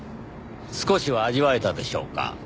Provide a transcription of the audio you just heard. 少しは味わえたでしょうか？